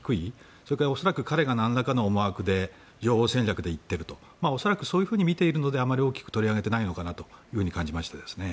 それから恐らく彼がなんらかの思惑で情報戦略で言っていると恐らくそういうふうに見ているのであまり大きく取り上げていないのかなと感じました。